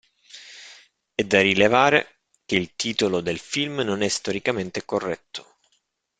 È da rilevare che il titolo del film non è storicamente corretto.